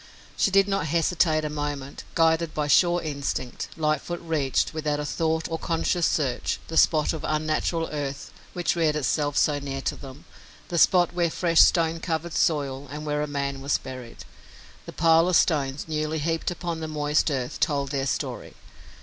She did not hesitate a moment. Guided by a sure instinct, Lightfoot reached, without thought or conscious search, the spot of unnatural earth which reared itself so near to them, the spot where was fresh stone covered soil and where a man was buried. The pile of stones, newly heaped upon the moist earth, told their story.